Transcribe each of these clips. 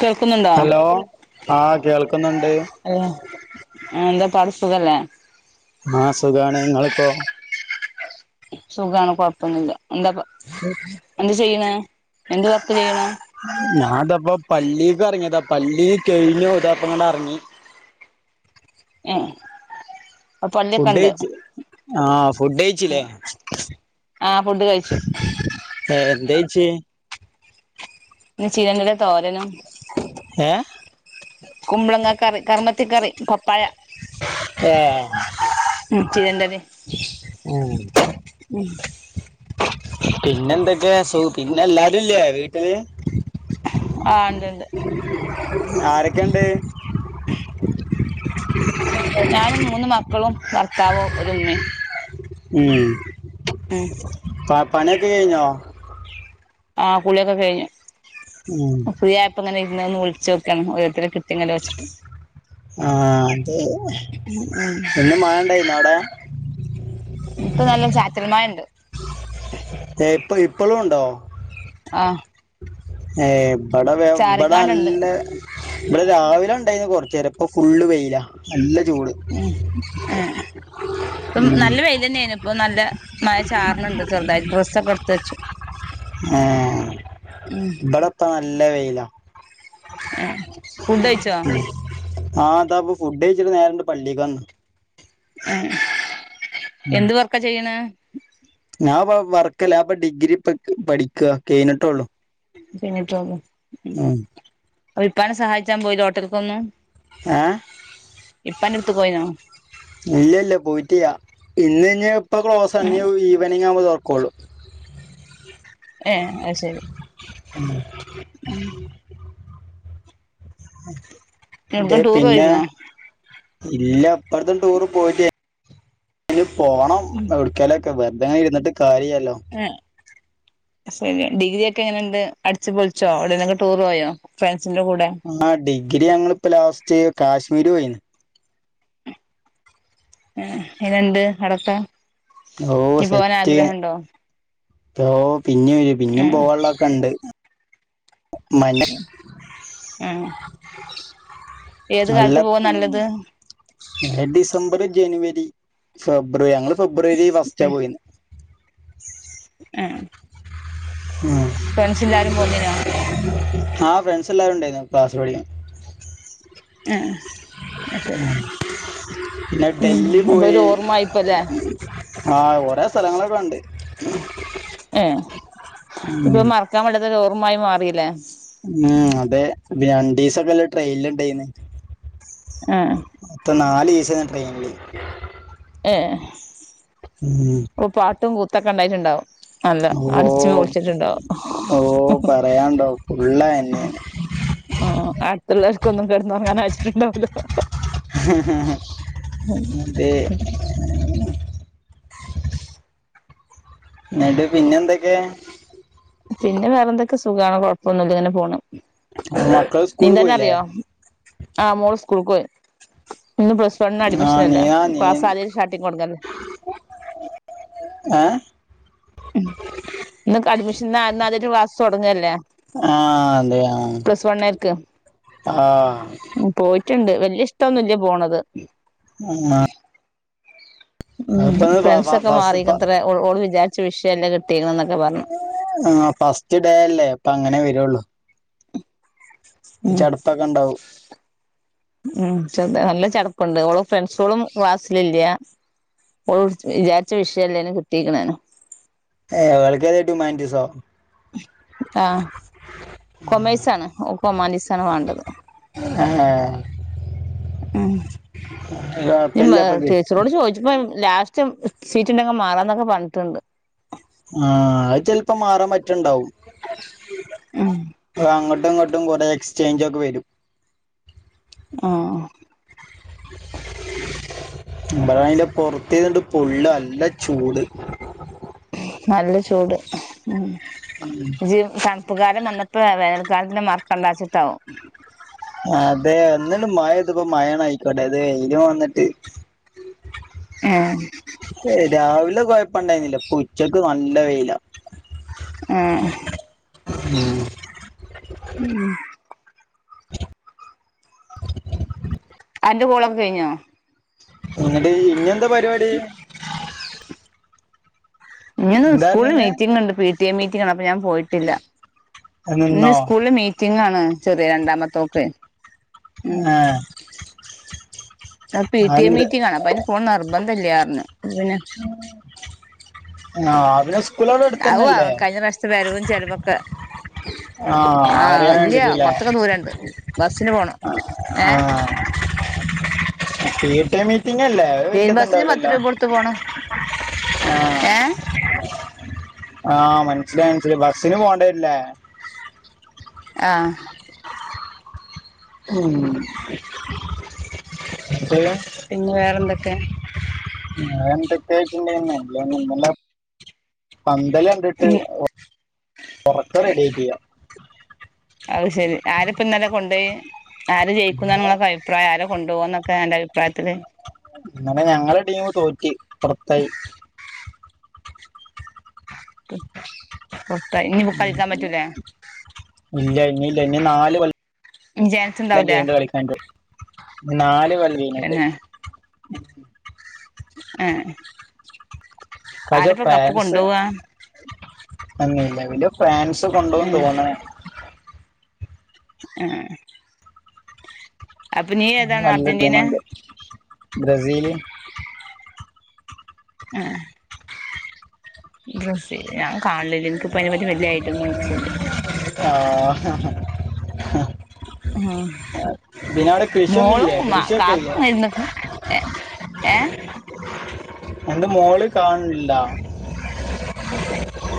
കേൾക്കുന്നുണ്ടോ ഹലോ ആഹ് കേൾക്കുന്നുണ്ട്. ഹലൊ. ആഹ് എന്താ പാട് സുഖല്ലേ? ആഹ് സുഖാണ്. ങ്ങെള്ക്കോ? സുഖണ് കൊഴപ്പൊന്നുല്ല. എന്താപ്പൊ എന്ത് ചെയ്ണെ. എന്ത് വർക്ക് ചെയ്ണെ? ഞാൻ താപ്പൊ പള്ളീ ക്കെർ ങ്ങിയതാ. പള്ളി ക്കെഴിഞ്ഞു താപ്പൊങ്ങടർങ്ങി. ഏഹ്. അപ്പൊ പള്ളി ഫുഡ് ഒക്കെണ്ട്. കഴിച്ച് ആഹ് ഫുഡൈഴിച്ചിലെ? ആ ഫുഡ് കഴിച്ചു ഏ എന്ത്‌യ്ച്ച് പിന്ന ചിരന്റെല തോരനും. ഏ കുമ്പളങ്ങ കറി കർമ്മത്ത് കറി കൊപ്പയ ഏ മും ചിരേന്റെലേം ഏഹ് മ് പിന്നെന്തൊക്കെയ സുഖ പിന്നെ എല്ലാരു ഇല്ലേ വീട്ടില് ആ ഉണ്ട് ഉണ്ട് ആരൊക്കെണ്ട് ഞാനും മൂന്നു മക്കളും ഭർത്താവും ഒരുമ്മയും ഉം ഉം പ പണിയൊക്കെ കഴിഞ്ഞോ ആഹ് കുളിയൊക്കെ കഴിഞ്ഞു ഉം ഫ്രീ ആയപ്പോ ഇങ്ങനെ ഇരുന്ന് ഒന്ന് വിളിച്ച് നോക്കിയണ് ഓരോരുത്തരെ കിട്ടിങ്കിൽ വെച്ചിട്ട് ആഹ് അതെ ഉം ഉം ഇന്ന് മഴയിണ്ടയിന്ന അവിടെ ഇപ്പൊ നല്ല ചാറ്റൽ മഴണ്ട് ഏഹ് ഇപ്പ ഇപ്പളും ഒണ്ടോ ആഹ് ഏഹ് ഇബിടെ വ ഇബടെ ചാറിക്കാണ്ടുണ്ട് നല്ലെ ഇബടെ രാവിലെ ഉണ്ടായിന്ന് കൊറച്ചേരം ഇപ്പൊ ഫുള്ള് വെയില നല്ല ചൂട് ഉം ആഹ് ഇപ്പം ഉം നല്ല വെയില് തന്നെയാണ് ഇപ്പൊ നല്ല മഴ ചാറനുണ്ട് ചെറുതായി ഡ്രസ്സൊക്കെ എടുത്ത്‌ വെച്ചു ആഹ് ഉം ഇവടപ്പ നല്ല വെയില ഏ ഫുഡ് കഴിച്ചോ ആഹ് ഇതാപ്പൊ ഫുഡ് കഴിച്ചിട്ട് നേരണ്ട് പള്ളിക്ക്‌ വന്ന് ഉം ഉം എന്ത് വർക്ക ചെയ്യണേ ഞാൻ ഇപ്പ വർക്കല്ലാ ഞാഇപ്പം ഡിഗ്രി ഇപ്പ പഠിക്ക കഴിഞ്ഞിട്ടേള്ളു കഴിഞ്ഞിട്ടേള്ളൂ ഉം ഉപ്പാനെ സഹായിച്ചാൻ പോയിലെ ഹോട്ടൽക്കൊന്നും ഏഹ് ഇപ്പന്റെടുത്ത് പോയിനോ ഇല്ല ഇല്ല പോയിട്ടില്ല ഇന്ന് ഇനി ഇപ്പ ക്ലോസ്സാണ് ഇനി ഈവനിങ് ആവുമ്പോ തുറക്കുള്ളൂ ഏഹ് അയ്ശരി ഉം ഉം എന്തേ എവിടേക്കും ടൂർ പിന്നെ പോയിരുന്നോ ഇല്ല ഇപ്പടുത്തൊന്നും ടൂറ് പോയട്ടില്ല ഇനി പോണം എവിടുക്കേലൊ ക്കെ വെറുതെങ്ങന ഇരുന്നിട്ട് കാര്യലല്ലോ എഹ് അയ് ശരിയ ഡിഗ്രിയൊക്കെ എങ്ങനെയുണ്ട്? അടിച്ച് പൊളിച്ചോ അവിടെന്നൊക്കെ ടൂർ പോയോ? ഫ്രണ്ട്സിന്റെ കൂടെ ആഹ് ഡിഗ്രി ഞങ്ങളിപ്പ ലാസ്റ്റ് കാശ്മീർ പോയിന്ന് ആഹ് എങ്ങനണ്ട് അവിടൊക്ക? ഓഹ് സെറ്റ് ഓഹ് പിന്നിം [unintelligible] പിന്നിം ഉം പോവള്ളൊക്കെ ഉണ്ട് മഞ്ഞ എ ഏത് കാൽത്ത് പോവാ നല്ലത്? ഏ ഡിസംബർ ജനുവരി ഫെബ്രുവരി ഞങ്ങള് ഫെബ്രുവരി ഫസ്റ്റാപോയിന്ന്. എ ഏഹ് ഉം പോന്നീനോ ആഹ് ഫ്രണ്ട്സെല്ലാരും ഉണ്ടായിരുന്നു ക്ലാസില് പഠി എ എഹ് അയ് ശരി പിന്നെ ഉം അപ്പൊരോർമ്മാ യിപ്പല്ലേ. ആഹ് ഒറേ സ്ഥലങ്ങളൊക്കെ കണ്ട് ഏഹ് ഉം ത്‌പ്പം മറക്കാൻ പറ്റാത്ത ഒരോർമായി മാറില്ലേ ന്നെ അതെ രണ്ടീസൊക്കെല്ല ട്രെയിന്ൽ ണ്ടായിന്ന് ഏഹ് മൊത്തം നാലിസ ഞാൻ ട്രെയിൻല് ഏ ഏഹ് ഉം ഉം ഓഹ് പാട്ടും കൂത്തൊക്കെ ണ്ടായിട്ടുണ്ടാവും. അല്ല ഓ അടിച്ചു പൊളിച്ചിട്ടുണ്ടാവും ഓ പറയാണ്ടോ ഫുള്ള് തന്നെയാണ് ആ ആഹ് അടുത്തുള്ളർക്കൊ ന്നും കെടന്നൊർങ്ങാൻ അയച്ചിട്ടുണ്ടാവുല്ല അതെ ന്നിട്ട് പിന്നെന്തൊക്കെയാ? പിന്നെ വേറെന്തക്കെ സുഖാണ് കൊഴപ്പൊന്നുല്ല ങ്ങനെ പോണ്. മക്കള് സ്കൂള് പോയില്ലേ നീന്താനറിയോ? ആഹ് മോൾ സ്കൂൾക്ക് പോയി ഇന്ന് പ്ലസ് വൺ ആ നീ അഡ്മിഷനല്ലേ ആ ക്ലാസ് ആദ്യായിട്ട് സ്റ്റാർട്ടിങ് തൊടങ്ങല്ലെ ഏഹ് ഇന്നൊക്കഡ്മിഷൻ [unintelligible] ക്ലാസ് തുടങ്ങല്ലേ ആഹ അതെയ പ്ലസ് വണ്ണേർക്ക് ആഹ് റ്റണ്ട് വല്യഷ്ടൊന്നുല്ല പോണത്. [unintelligible] ഉം അപ്പൊ ഫ്രണ്ട്സൊക്കെ മാറിക്കത്രെ ഓള് ഓള് വിചാരിച്ച വിഷയല്ല കിട്ടിയത് ന്നൊക്കെ പറഞ്ഞു. ആഹ് ഫസ്റ്റ് ഡേ അല്ലേ അപ്പ ങ്ങനെ വരുള്ളു. ഉം ഒരചടപ്പൊക്കെ ണ്ടാവും. ഉം ചെറു നല്ല ചടപ്പുണ്ട് ഓള ഫ്രണ്ട്സുകളും ക്ലാസിലില്ല ഓള് ൾ വിചാരിച്ച വിഷയല്ലേലൊ കിട്ടിക്ക്ണാനു ഏഹ് ഓൾക്ക് ഏതാ ഹുമാനിറ്റിസോ? ആഹ് കോമേഴ്‌സാണ് ഓക്ക് ഹുമാനിറ്റീസാണ് വേണ്ടത് ഏ ഉം നി കുഴപ്പമില്ല മെ ഇപ്പൊ കി- ടീച്ചറോട് ചോദിച്ചപ്പം ലാസ്റ്റ് സീറ്റ്ണ്ടെങ്കി മാറാന്നൊക്കെ പർഞ്ഞിട്ടുണ്ട്. ആഹ് അത് ചെൽപ്പം മാറാൻ പറ്റണ്ടാവും ഉം അ അങ്ങോട്ടും ഇങ്ങോട്ടും കൊറെ എക്സ്ചേഞ്ച് ഒക്കെ വരും ആഹ് [unintelligible] പൊറത്തിരുന്നിട്ട് പൊള്ള അല്ല ചൂട് നല്ല ചൂട് ഉം ഉം ജ് തണുപ്പ് കാലം വന്നപ്പൊ വേനൽക്കാലത്തിനെ മർക്കണ്ടച്ച്ട്ടാവും അതേ ഒന്ന്ണ്ട് മഴെയ്തപ്പൊ മഴണ് അയ്ക്കോട്ടെ അത് [unintelligible] വന്നിട്ട് ആഹ് ഏഹ് രാവില കൊഴപ്പണ്ടായ്ന്നില ഇപൊ ഉച്ചക്ക് നല്ല വെയില ഉം ഉം ഉം അന്റ കോളൊക്ക കഴ്ഞ്ഞോ എന്നിട്ട് ഇഞി എന്ത പരുപാടി ഇങ്ങന്ന് എന്താ സ്കൂളില് പറഞ്ഞീന്നെ മീറ്റിംങ് ഇണ്ട് പീ ട്ടീ എ മീറ്റിങ്ങാണ് അപ്പൊ ഞാൻ പോയിട്ടില്ല ഇന്ന് നിന്നോ സ്കൂളില് മീറ്റിംഗാണ് ചെറിയ രണ്ടാമത്തോക്കെ ഉം ഏഹ് ആഹ് പീ ട്ടീ എ അതെന്ത് മീറ്റിംഗാണ് അപ്പൊ പോണം നിർബന്ധല്ല്യാര്ഞ് അപൊ പിന്നെ ആഹ് അവര സ് അവു ആഹ് കഴിഞ്ഞ പ്രാവശ്യത്തെ വരവും ചെലവൊക്ക ആഹ് അറിയാൻ ഇല്ല്യ വേണ്ടിട്ടല്ലേ കൊറ്ച്ചൊക്ക ദൂരണ്ട് ബസ്സിന് പോണം ഏഹ് ഫ്രീടൈമി ട്ടിനല്ലേ ഒരു ലൈൻ ബസ്സിന് പത്ത് വല്യത്ണ്ടാവുലല്ലൊ രൂപ കൊടുത്ത് പോണം ആഹ് ഏ ആഹ് മൻസ്സിലായി മൻസില ബസ്സിന് പോണ്ടെര്ലേ ആഹ് ഉം പിന്നെ പിന്നെ വേറെന്തൊക്കെ വേറെന്തെക്കൊയ്ചിണ്ടെങ്കി നല്ലന്നെ ഇന്നലെ പന്തളി കണ്ടിട്ട് ഉം ഒറക്കം റെഡിയായ്ട്ടിയ അഹ് ശെരി ആരപ്പ ഇന്നലെ കൊണ്ടോയി ആര് ജയിക്കുംന്ന ഇങ്ങളെ ഫൈ പ്പാരെ കൊണ്ടോവാന്നൊക്ക അന്റെ അഭിപ്രായത്തില് ഇന്നലെ ഞങ്ങള ട്ടീമ് തോറ്റ് പൊറത്തായി പൊർത്തായി ഇല്ല്യ ഇഞ്ഞില്ല്യ ഇഞി നാല് കൊല്ല ജാൻസ് ല്ലം ഉണ്ടാവൂലേ കഴിഞ്ഞിട്ട് കളിക്കാറ്റൊള്ളു ഇഞി നാല് കൊല്ലം കേഞ്ഞിട്ട് പിന്നെ ആഹ് ആരപ്പ കപ്പ് കൊണ്ടോവാ നിലവില് ഫ്രാൻസ് കൊണ്ടോവും ഏഹ് തോന്ന്ണ് ആഹ് അപ്പൊ നീ ഒര് ഏതാണ് നല്ല അർജന്റീന ടീമാണ് ബ്രസീല് ഏഹ് ബ്രെസില് ഞാൻ കാൺലില്ല്യ ഇനിക്കിപ്പ അയിനെപറ്റി വല്ല്യ ഐഡിയൊന്നും ഇചില്ല ആഹ് ഉം പിന്നെ അവിടെ കൃഷിയൊന്നും മോളും ഇല്ലേ കൃഷിയൊക്കെ ഇല്ലേ കാക്കും ഇരുന്നൊക്ക ഏഹ് ഏഹ് എന്ത് മോള് കാൺലില്ലാ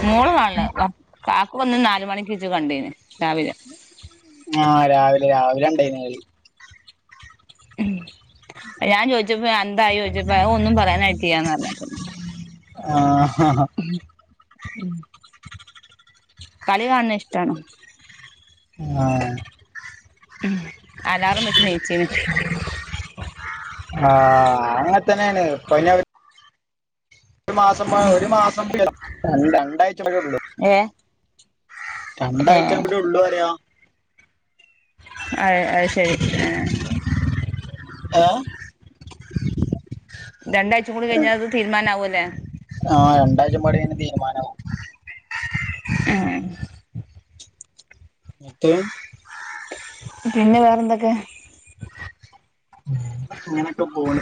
മോള് കാണല് കാക്കുവന്ന് നാല്മണിക്കീച്ച് കണ്ടീന്ന് രാവിലെ ആഹ് രാവിലെരാവിലെണ്ടായിന്കളി ഉം ഞാൻചോയിച്ചപ്പോഎന്തായിചോയിച്ചപ്പോഅഹ് ഒന്നുംപറയാനായിട്ടില്ല്യന്നറിഞ്. ആഹ് ആഹ് കളികാൺണയിഷ്ടാണ് ആഹ് ഉംഅലാറംവെച്ച്ണിചിന്ന് ആഹ്അങ്ങത്തന്നേണ്ഇപ്പഞ്ഞ ഒരു മാസം ഒരു മാസം [unintelligible] രണ്ടാഴ്ചയെ ഉള്ളൂ ഏഹ് ഏഹ് രണ്ടാഴ്ചകൂടിയൊള്ളുഅറിയാ അയ്അയ്ശെരിആഹ് ഏ രണ്ടാഴ്ചകൂടികഴിഞ്ഞാലത് തീരുമാനമാവുല്ലേ ആ്ഹ് രണ്ടാഴചപാടിയെയ്നതീരുമാനവും ആഹ് ന്ന്ട്ട് പിന്നെവേറെന്തൊക്കെ ഇങ്ങനൊക്കെപോണ്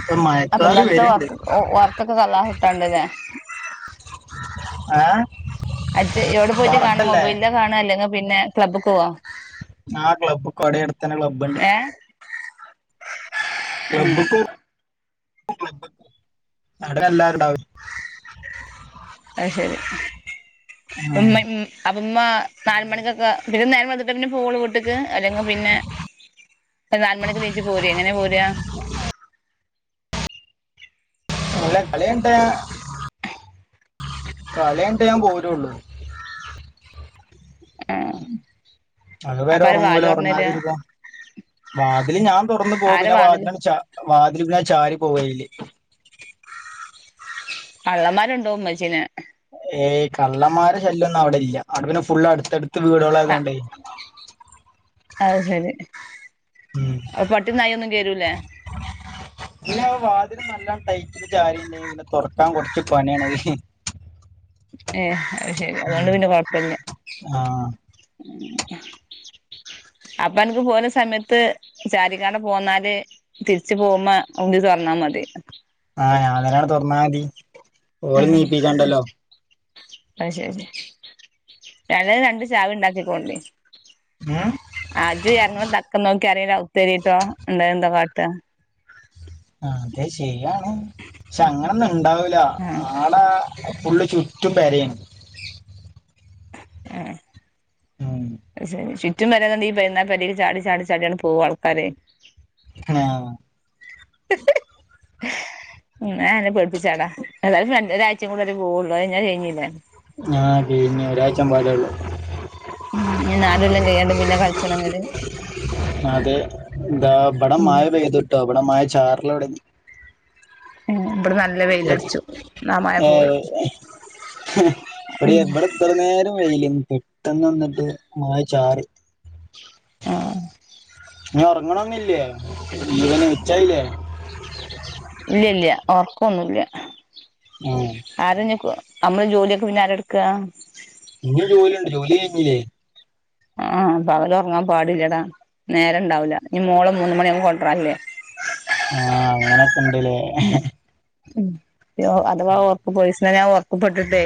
അപ്പൊഇന്നലത്തെഒർക്ക്ഒർക്കൊക്കെകളാഅ‌വീട്ടാണ്ടല്ലേ അ്ജ്എവിടെപോയിട്ട്കാണമൊബൈലകാണാഅല്ലെങ്കിപിന്നെ ഏ ഉറക്കല്ലേ ക്ലബ്ബ്പോവോ ആക്ലബ്കൊടെടുത്തേന്നേക്ലബ്ണ്ട് ഏ ഉം ക്ലബ്ബ്ക്ക് ആണ്ട് പോവുംഅവിടെ എല്ലാരുണ്ടാവും അത് ശെരി ഉം. ഉമ്മ അപ്പ ഉമ്മ നാല് മണിക്കൊക്കെ പിന്നെ നേരം വെള്ത്ത്ട്ടന്നെ പോവൊള്ളൂ വീട്ടിക്ക് അല്ലെങ്കിൽ പിന്നെ നാല് മണിക്ക് നീറ്റ് പോരെ എങ്ങനെ പോരേ നല്ല കളിണ്ടെ കളിണ്ടേൽ ഞാൻ പോരുള്ളൂ ആ അത് വരെ അപ്പൊ ആരാ വാതില് ഉറങ്ങൂല തുറന്ന് തരാ ഉറങ്ങാതിരിക്കും വാതില് ഞാൻ തുറന്ന് പോക പിന്നെ വാതില് ച വാതിൽ പിന്നെ ചാരി പോവല് കള്ളന്മാരൊണ്ടോവും ഇമ്മച്ചിനെ ഏയ് കള്ളമ്മാരെ ശല്യോന്നും അവിടെ ഇല്ല അവിടെ പിന്നെ ഫുള്ള് അടുത്തടുത്ത് വീടുകളായത് ആ കൊണ്ടേ അത് ശരി ഉം അപ്പൊ പട്ടിം നായി ഒന്നും കേരൂലേ ഇനി ആ വാതില് നല്ല ടൈറ്റില് ചാരി ഉണ്ടെങ്കിൽ പിന്നെ തുറക്കാൻ കുറച്ച് പണി ആണ് ഏ അത് ശരി അതുകൊണ്ട് ഉം. പിന്നെ കൊഴപ്പല്ല ആ അപ്പൊ അനക്ക് പോര്ണ സമയത്ത് ചാരികാണ്ട് പോന്നാല് തിരിച്ചു പോകുമ്പോ ഉന്തി തുറന്നാൽ മതി ആഹല് ഞാൻ തന്നെയാണ്ട് തൊറന്നാൽ മതി ഓള് ആഹ് അഹ് നീപ്പിക്കണ്ടല്ലോ അത് ശരി ഏതായാലും രണ്ട് ചാവി ഉണ്ടാക്കിക്കോണ്ടി ഉം ആഹ് ഇജ് എറങ്ങണ തക്കം നോക്കി ആരെങ്കിലും ഔത്ത് കേറീട്ടോ ഉണ്ടായിരുന്നെങ്കിൽ എന്താട്ട ആഹ് അത് ശര്യാണ് പക്ഷെ അങ്ങനൊന്നും ഇണ്ടാവൂല ആഹ് ആടെ ഫുള്ള് ചുറ്റും പെരേണ് ഏ ഹ് ഉം. അത് ശരി ചുറ്റും പെര ആണെങ്കിൽ ഈ പെരീന്ന് ആ പെരേക്ക് ചാടി ചാടി ചാടിയാണ്ട് പോകും ആൾക്കാര് ആഹ് ഉംഞാൻ അന്നെ പേടിപ്പിച്ചാടാ എന്തായാലും ഒരാഴ്ച്ചയും കൂടെ അല്ലെ ഇജ്‌ പോവള്ളൂ അത് കയിഞ്ഞാ കഴിഞ്ഞില്ലേ ആ എടീ ഇഞ് ഒരാഴ്ച്ച പാടെ ഒള്ളൂ ഇഞ്ഞ് നാലൊല്ലം കയ്യണ്ടേ പിന്നെ കളിച്ചണങ്കില് അതെ ഇന്താ ഇവിടെ ഉം മഴ പെയ്ത്ട്ടോ ഇവിടെ മഴ ചാറലൊട്ങ്ങി ഉം ഇവിടെ നല്ല വെയിലടിച്ചു ഇന്നാ മഴ ഏ, പോയി ഇവിടെ ഇവിടെ ഇത്ര നേരം വെയിലയ്നി പെട്ടെന്ന് വന്നിട്ട് മഴ ചാറി ആഹ് ഇങ്ങൾ ഉറങ്ങണൊന്നില്ലേ ഉച്ചായീലെ ഇല്ല ഇല്ല ഒർക്കൊന്നുല്ല ഉം ആര ഇഞ്ഞ് നമ്മളെ ജോലിയൊക്കെ പിന്നാര എടുക്ക ഇഞ് ജോലി ഉണ്ടോ ജോലി കഴിഞ്ഞില്ലേ ആഹ് പകല് ഉറങ്ങാൻ പാടില്ലടാ നേരം ഉണ്ടാവൂല ഇനി മോളെ മൂന്ന് മണി ആവുമ്പോ കൊണ്ട്രാരാൻ ഇല്ലേ ആഹ് അങ്ങനെയൊക്കെ ഇണ്ടല്ലേ ഉം അഥവാ ഒർങ്ങി പോയി ഒരീസം ഞാൻ ഒർക്ക്പ്പെട്ടിട്ടേ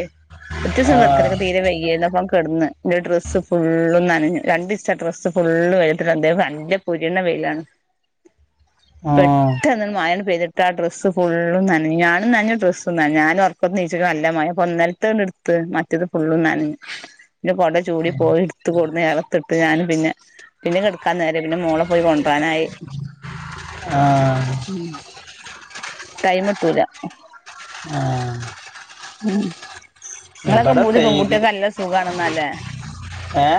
കൊർച്ചീസം ആ [unintelligible] എനിക്ക് തീരെ വെയ്യായിരുന്നു അപ്പൊ കിടന്ന് എന്റെ ഡ്രസ്സ് ഫുള്ളും നനഞ്ഞു രണ്ട് ദിവസത്തെ ഡ്രസ് ഫുള്ള് വെയ്ലത്തിട്ട് [unintelligible] നല്ല പൊരിണ വെയിലാണ് ആ പെട്ടന്ന് മയാണ്ട് പെയ്തിട്ട് ആ ഡ്രസ്സ് ഫുള്ള നനഞ്ഞു ഞാനും നനഞ്ഞു ഡ്രെസ്സും നനഞ്ഞു ഞാൻ ഉറക്കത്ത്ന്നീച്ചപ്പൊ നല്ല മഴ അപ്പൊ ഇന്നലത്ത് ഇടുത്ത് മറ്റത് ഫുള്ളും നനഞ്ഞ് എന്റെ കുട ചൂടി പോയി എടുത്ത് കൊടന്ന് ഇറയത്തിട്ട് ഞാനും പിന്നെ പിന്നെ കിടക്കാൻ നേരല്ല പിന്നെ മോളെ പോയി കൊണ്ടരാനായി ആഹ് ഉം ടൈമ് കിട്ടൂല ആഹ് ഉം ഇങ്ങളൊക്കെ ഇവിടെ പൂതി പെയ്ത് പെൺകുട്ടികൾക്ക് നല്ല സുഖാണെന്നല്ലേ ഏ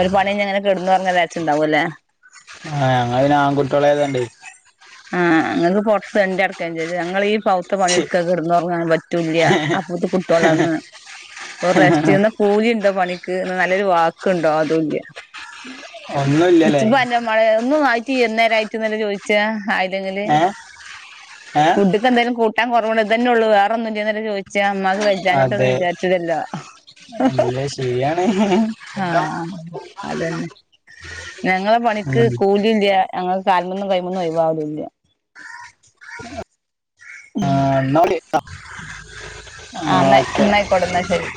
ഒരു പണി കയ്ഞ്ഞ് ഇങ്ങനെ കെടന്നൊറങ്ങാന്ന് വിചാരിച്ചുണ്ടാവുംലേ ആഹ് ഞങ്ങള് പിന്നെ ആൺകുട്ടികളായതോണ്ടെ ആഹ് ഇങ്ങക്ക് പൊറത്ത് തെണ്ടി നടക്കേ ചെയ്യാ ഞങ്ങളീ ട്ത്തെ പണിയെടുക്ക കെടന്ന് ഒറങ്ങാനും പറ്റുല്ല്യ അപ്പൊത്തെന് കുട്ട്യാളെന്ന് ഒരു റെസ്റ്റെന്ന് കൂലിണ്ടോ പണിക്ക് എന്നാ നല്ലൊരു വാക്ക്ണ്ടോ അതുല്യ ഒന്നും ഇല്ലലെ മയ ഒന്നും ആയിട്ടില്ലി ഇന്നേരായിട്ട് ഇന്നല്ലേ ചോയിച്ച ആയില്ലെങ്കില് ഏ ഏ ഫുഡ് തെന്തേലും കൂട്ടാൻ കൊറവുണ്ട് ഇതന്നെ ഒള്ളൂ വേറൊന്നുല്ലേന്ന് ചോയ്ച്ച ഇമ്മാക്ക് വെജ്ജാഞ്ഞിട്ടല്ലേന്ന് അതെ വിചാരിച്ചൂല്ലല്ലോ ഇല്ല ശരിയാണ് എന്ത ആഹ് അതന്നെ ഞങ്ങളെ പണിക്ക് ഉം. കൂലില്ല്യ ഞങ്ങളെ കാൽമന്നും കയ്മന്നും ഒഴവാവലൂല്ല്യ ഉം ആഹ് എന്നാ വിളിക്കാം ആഹ് ന്ന ഇന്നാ ആയിക്കോട്ടെ ഇന്നാ ശരി